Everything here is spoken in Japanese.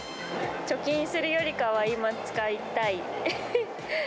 貯金するよりかは今使いたい。